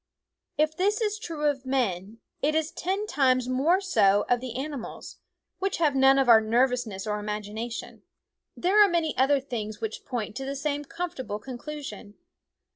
If this is true of men, it is ten times more so of the animals, which have none of our nervousness or imagination. There are many other things which point to the same comfortable conclusion.